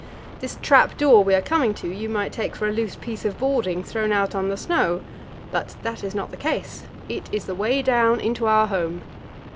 This trap door we are coming to you might take for a loose piece of boarding thrown out on the snow, but that is not the case: it is the way down into our home.